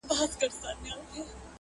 د سپیني خولې دي څونه ټک سو؛